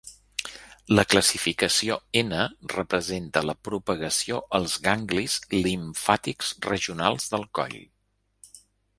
La classificació N representa la propagació als ganglis limfàtics regionals del coll.